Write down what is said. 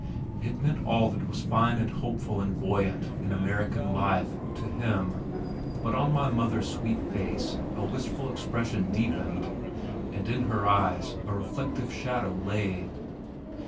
It meant all that was fine and hopeful and buoyant in American life, to him but on my mother's sweet face a wistful expression deepened and in her fine eyes a reflective shadow lay.